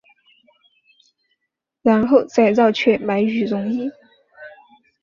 然后再绕去买羽绒衣